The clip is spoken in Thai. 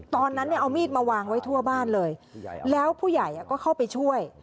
ตอนนั้นเนี่ยเอามีดมาวางไว้ทั่วบ้านเลยแล้วผู้ใหญ่ก็เข้าไปช่วย